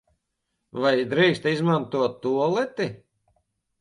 Vai drīkst izmantot tualeti?